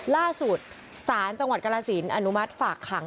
ล่าสุดศาลจังหวัดกรสินอนุมัติฝากขัง